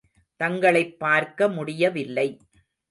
தங்களைப் பார்க்க முடியவில்லை.